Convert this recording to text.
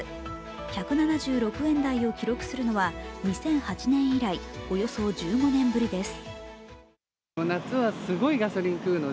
１７６円台を記録するのは２００８年以来、およそ１５年ぶりです。